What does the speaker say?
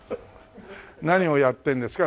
何をやってるんですか？